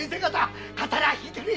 刀をひいてくれ！